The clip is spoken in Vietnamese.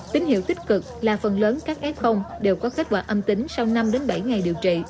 tín hiệu tích cực là phần lớn các f đều có kết quả âm tính sau năm bảy ngày điều trị